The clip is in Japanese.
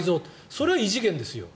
それは異次元ですよ。